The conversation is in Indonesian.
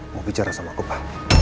mau bicara sama aku pak